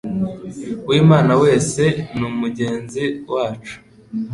Uw'Imana wese ni mugenzi wacu.